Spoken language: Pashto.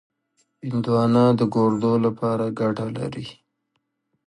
هندوانه د ګردو لپاره ګټه لري.